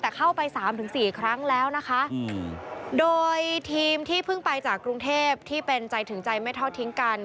แต่เข้าไปสามถึงสี่ครั้งแล้วนะคะโดยทีมที่เพิ่งไปจากกรุงเทพที่เป็นใจถึงใจไม่ทอดทิ้งกัน